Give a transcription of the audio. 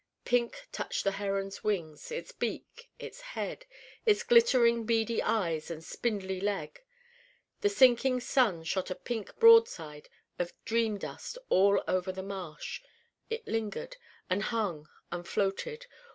Pink touched the heron's wings, its beak, its head, its glittering beady eyes and spindly leg. The sinking sun shot a Pink broadside of dream dust all over the marsh: it lingered and hung and floated.